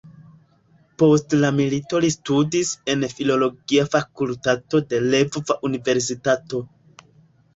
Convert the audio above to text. Post la milito li studis en filologia fakultato de Lvova universitato.